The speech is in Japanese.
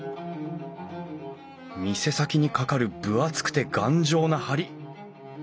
店先にかかる分厚くて頑丈な梁。